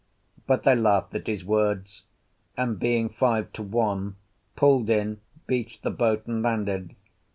But they laughed at his words, and, being five to one, pulled in, beached the boat, and landed.